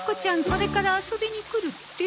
これから遊びに来るって。